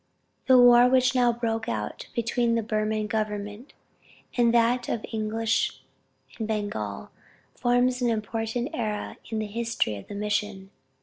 "The war which now broke out between the Burman government and that of the English in Bengal, forms an important era in the history of the mission.